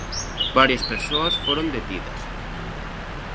Varias persoas foron detidas.